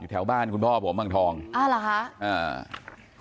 อยู่แถวบ้านคุณพ่อผมบางทองอ่าเหรอคะอ่า